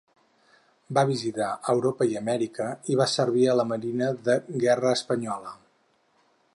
Va visitar Europa i Amèrica i va servir a la marina de guerra espanyola.